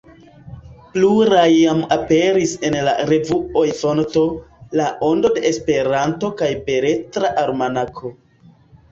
Pluraj jam aperis en la revuoj Fonto, La Ondo de Esperanto kaj Beletra Almanako.